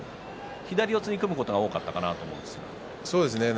左四つに組むことが多かったかなと思いました。